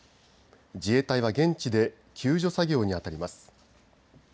自衛隊は現地で救助作業にあたります。